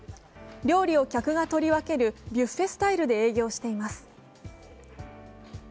料理を客が取り分けるビュッフェスタイルで営業しています。